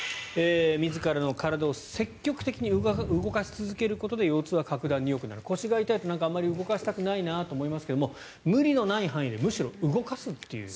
自らの体を積極的に動かし続けることで腰痛は格段によくなる腰が痛いとあまり動かしたくないなと思いますが無理のない範囲でむしろ動かすという。